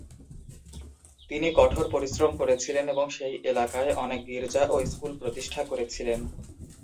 তিনি কঠোর পরিশ্রম করেছিলেন এবং সেই এলাকায় অনেক গির্জা ও স্কুল প্রতিষ্ঠা করেছিলেন।